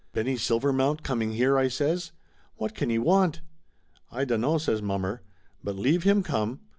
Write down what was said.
"Benny Silvermount coming here !" I says. "What can he want !" "I dunno!" says mommer. "But leave him come!